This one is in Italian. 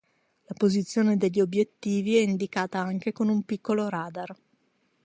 La posizione degli obiettivi è indicata anche in un piccolo radar.